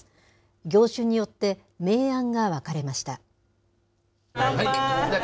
業種によって明暗が分かれました。